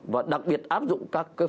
và đặc biệt áp dụng các cái